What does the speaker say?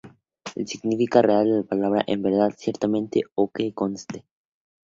El significado real de la palabra es ‘en verdad’, ‘ciertamente’ o ‘que conste’.